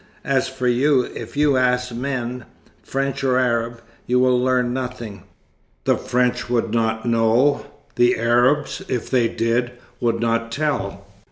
As for you, if you ask men, French or Arab, you will learn nothing. The French would not know. The Arabs, if they did, would not tell.